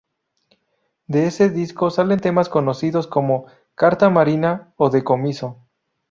De ese disco salen temas conocidos como "Carta Marina" o "Decomiso".